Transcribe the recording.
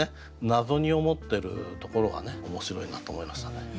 謎に思ってるところがね面白いなと思いましたね。